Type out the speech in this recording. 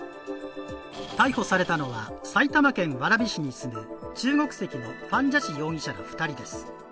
逮捕されたのは埼玉県蕨市に住む中国籍のファン・ジャシ容疑者ら２人です。